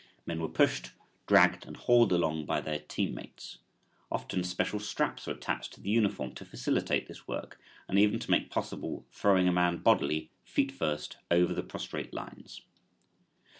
Men were pushed, dragged and hauled along by their team mates. Often special straps were attached to the uniform to facilitate this work, and even to make possible throwing a man bodily, feet first, over the prostrate lines.